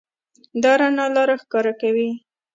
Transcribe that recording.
دا رڼا لاره ښکاره کوي.